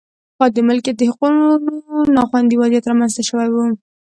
د مالکیت د حقونو نا خوندي وضعیت رامنځته شوی و.